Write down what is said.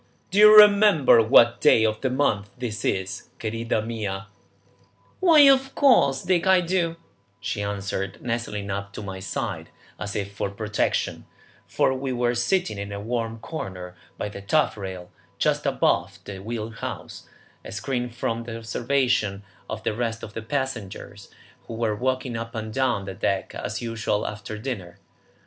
"Do you remember what day of the month this is, querida mia?" "Why, of course, Dick, I do," she answered, nestling up to my side as if for protection, for we were sitting in a warm corner by the taffrail, just abaft the wheel house, and screened from the observation of the rest of the passengers who were walking up and down the deck as usual after dinner.